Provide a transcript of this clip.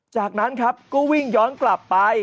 จากนั้นครับก็วิ่งย้อนกลับไป